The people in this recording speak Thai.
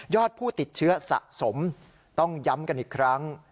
ผู้ติดเชื้อสะสมต้องย้ำกันอีกครั้ง